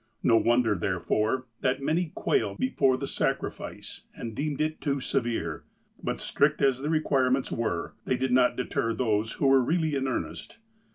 No wonder, therefore, that many quailed before the sacrifice, and deemed it too severe. But, strict as the requirements were, they did not deter those who were really in earnest.